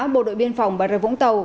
bộ đội biên phòng bà rợi vũng tàu